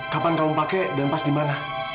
kapan kamu pake dan pas dimana